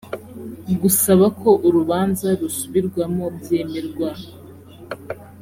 gusaba ko urubanza rusubirwamo byemerwa